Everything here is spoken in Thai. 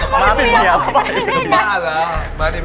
ปราฟินเมียเราไป